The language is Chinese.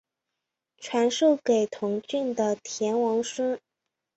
传授给同郡的田王孙。